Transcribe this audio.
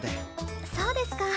そうですか。